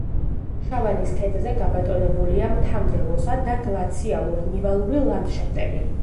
შავანის ქედზე გაბატონებულია მთა-მდელოსა და გლაციალურ-ნივალური ლანდშაფტები.